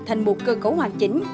thành một cơ cấu hoàn chỉnh